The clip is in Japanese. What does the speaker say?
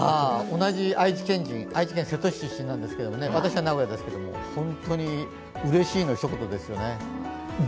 同じ愛知県人、愛知県瀬戸市出身なんですけど、私は名古屋ですけれども、本当にうれしいのひと言ですよね。